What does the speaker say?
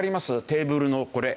テーブルのこれ。